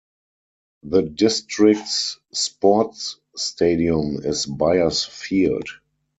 The District's sports stadium is Byers Field.